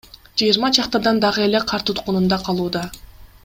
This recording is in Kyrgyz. Жыйырма чакты адам дагы эле кар туткунунда калууда.